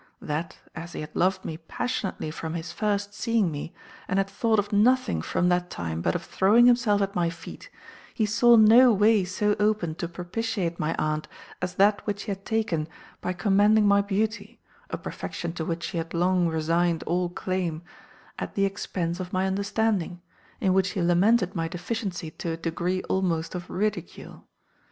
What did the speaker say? That, as he had loved me passionately from his first seeing me, and had thought of nothing from that time but of throwing himself at my feet, he saw no way so open to propitiate my aunt as that which he had taken by commending my beauty, a perfection to which she had long resigned all claim, at the expense of my understanding, in which he lamented my deficiency to a degree almost of ridicule.